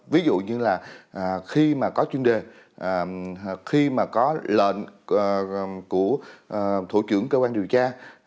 ví dụ như là khi mà có chuyên đề khi mà có lệnh của thủ trưởng cơ quan điều tra